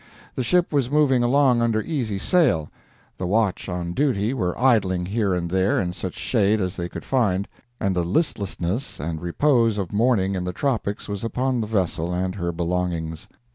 The ship was moving along under easy sail, the watch on duty were idling here and there in such shade as they could find, and the listlessness and repose of morning in the tropics was upon the vessel and her belongings.